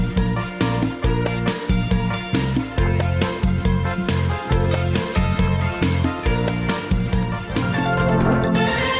สวัสดีครับ